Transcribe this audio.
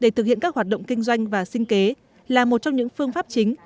để thực hiện các hoạt động kinh doanh và sinh kế là một trong những phương pháp chính